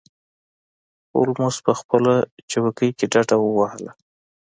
هولمز په خپله څوکۍ کې ډډه ووهله.